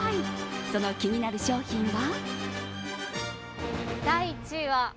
その気になる商品は？